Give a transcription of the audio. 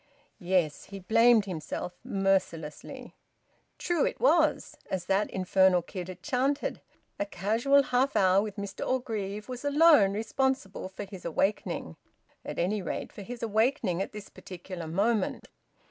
Yes, he blamed himself mercilessly. True it was as that infernal kid had chanted a casual half hour with Mr Orgreave was alone responsible for his awakening at any rate, for his awakening at this particular moment.